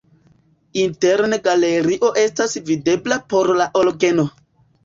Interne galerio estas videbla por la orgeno.